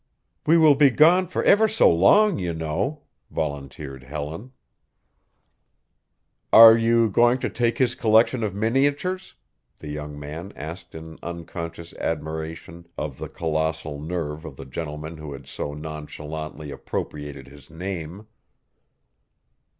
"We will be gone for ever so long, you know," volunteered Helen. "Are you going to take his collection of miniatures?" the young man asked in unconscious admiration of the colossal nerve of the gentleman who had so nonchalantly appropriated his name.